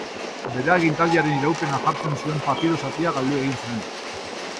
Bere agintaldiaren iraupena jartzen zuen papiro zatia galdu egin zen.